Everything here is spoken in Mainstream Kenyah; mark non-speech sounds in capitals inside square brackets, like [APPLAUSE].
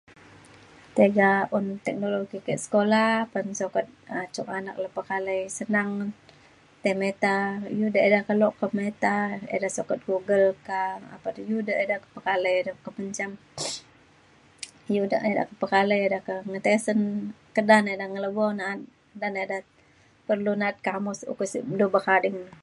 tega un teknologi ka sekula apan sokat um cuk anak le pekalai senang tai meta iu da eda keluk ke meta eda sukat google ka apan iu da eda ke pekalai da eda mencam [NOISE] iu da eda pekalai eda ke tesen keda ne eda ngelebo ngena'at nta ne eda perlu na'at kamus ukuk sik du bekading re